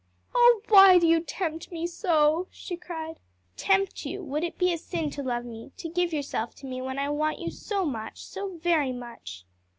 "Oh, why do you tempt me so?" she cried. "Tempt you? would it be a sin to love me? to give yourself to me when I want you so much, so very much?"